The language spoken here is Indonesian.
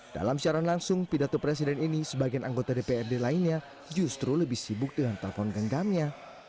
dalam siaran langsung pidato presiden ini sebagian anggota dprd lainnya justru lebih sibuk dengan telpon genggamnya